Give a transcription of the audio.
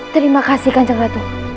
terima kasih kanjeng ratu